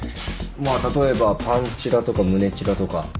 まあ例えばパンチラとか胸チラとか。